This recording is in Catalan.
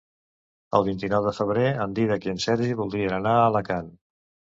El vint-i-nou de febrer en Dídac i en Sergi voldrien anar a Alacant.